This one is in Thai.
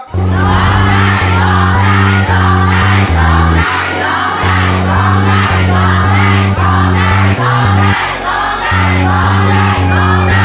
ร้องได้ร้องได้ร้องได้